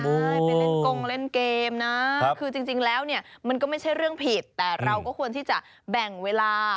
ใช่ไปเล่นกงเล่นเกมนะคือจริงแล้วเนี่ยมันก็ไม่ใช่เรื่องผิดแต่เราก็ควรที่จะแบ่งเวลา